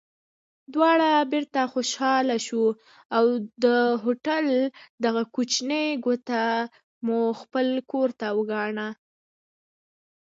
دواړه بېرته خوشحاله شوو او د هوټل دغه کوچنۍ کوټه مو خپل کور وګاڼه.